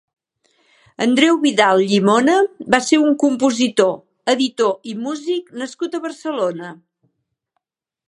Andreu Vidal Llimona va ser un compositor, editor i músic nascut a Barcelona.